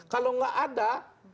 kalau tidak ada